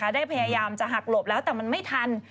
ได้พยายามจะหักหลบแล้วแต่มันไม่ทัน